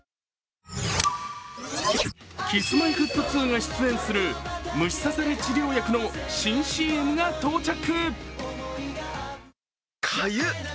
Ｋｉｓ−Ｍｙ−Ｆｔ２が出演する虫刺され治療薬の新ＣＭが到着。